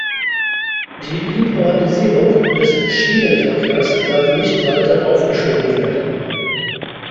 Die Liberalisierung des Schienenverkehrs darf nicht weiter aufgeschoben werden.